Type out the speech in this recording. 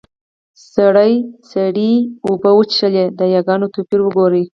سړي سړې اوبۀ وڅښلې . د ياګانو توپير وګورئ!